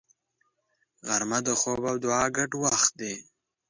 غرمه د خوب او دعا ګډ وخت دی